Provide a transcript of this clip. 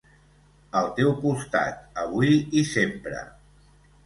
Al teu costat, avui i sempre.